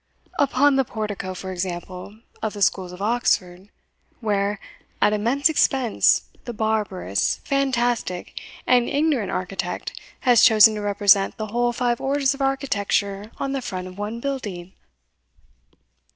"Upon the portico, for example, of the schools of Oxford, where, at immense expense, the barbarous, fantastic, and ignorant architect has chosen to represent the whole five orders of architecture on the front of one building."